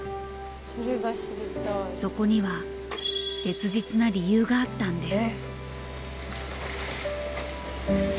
そこには切実な理由があったんです。